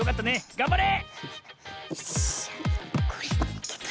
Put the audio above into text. がんばれ！